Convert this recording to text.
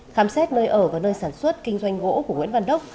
khám xét nơi ở và nơi sản xuất kinh doanh gỗ của nguyễn văn đốc